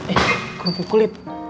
eh kerupuk kulit